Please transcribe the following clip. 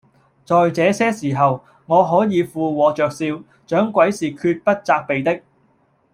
在這些時候，我可以附和着笑，掌櫃是決不責備的